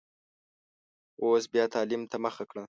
اوس بیا تعلیم ته مخه کړه.